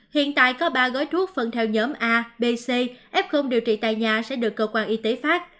hiện tại có ba gói thuốc phân theo nhóm a b c f điều trị tại nhà sẽ được cơ quan y tế phát